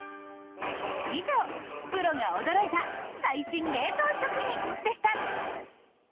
以上、プロが驚いた最新冷凍食品でした。